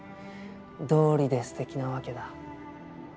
どうりですてきなわけだ。